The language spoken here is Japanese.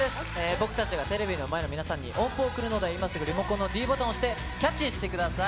僕たちがテレビの前の皆さんに、音符を送るので、今すぐリモコンのｄボタンを押して、キャッチしてください。